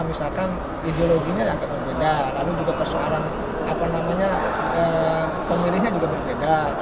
misalkan ideologinya dianggap berbeda lalu juga persoalan pemilihnya juga berbeda